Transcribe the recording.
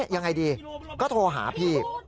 อย่างไรดีก็โทรหาพิก